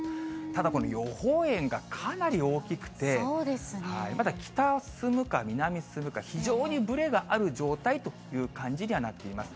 ただこの予報円がかなり大きくて、まだ北を進むか、南進むか、非常にぶれがある状態という感じにはなっています。